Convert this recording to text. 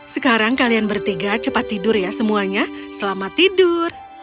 sekarang kalian bertiga cepat tidur ya semuanya selamat tidur